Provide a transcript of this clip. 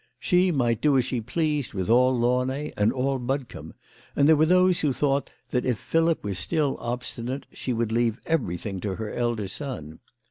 She might do as she pleased with all Launay and all Budcombe, and there were those who thought that if Philip was still obstinate she would leave everything to her elder son.